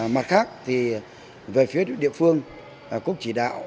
mặt khác thì về phía địa phương cũng chỉ đạo